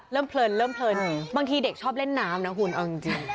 เพลินเริ่มเพลินบางทีเด็กชอบเล่นน้ำนะคุณเอาจริง